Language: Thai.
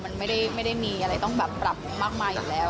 มันไม่ได้มีอะไรต้องแบบปรับมากมายอยู่แล้ว